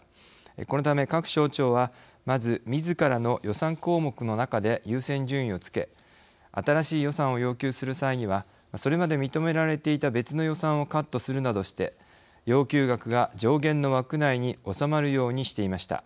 このため各省庁はまず、みずからの予算項目の中で優先順位をつけ新しい予算を要求する際にはそれまで認められていた別の予算をカットするなどして要求額が上限の枠内に収まるようにしていました。